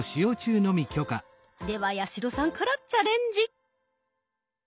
では八代さんからチャレンジ。